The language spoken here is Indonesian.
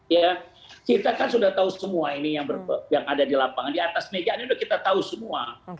ya kita kan sudah tahu semua ini yang ada di lapangan di atas meja ini sudah kita tahu semua